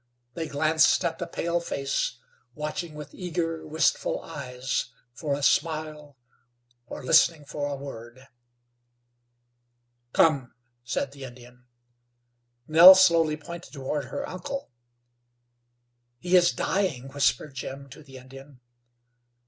They glanced at the pale face, watching with eager, wistful eyes for a smile, or listening for a word. "Come," said the Indian. Nell silently pointed toward her uncle. "He is dying," whispered Jim to the Indian.